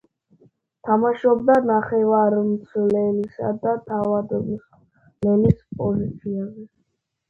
თამაშობდა ნახევარმცველისა და თავდამსხმელის პოზიციაზე.